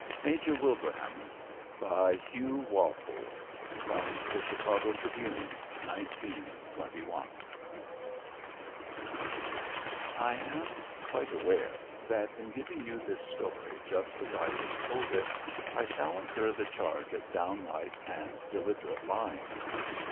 MAJOR WILBRAHAM By HUGH WALPOLE (From The Chicago Tribune) 1921 I am quite aware that in giving you this story just as I was told it I shall incur the charge of downright and deliberate lying.